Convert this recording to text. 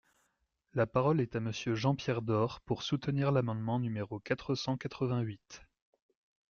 La parole est à Monsieur Jean-Pierre Door, pour soutenir l’amendement numéro quatre cent quatre-vingt-huit.